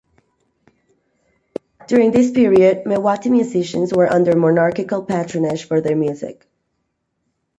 During this period, Mewati musicians were under monarchical patronage for their music.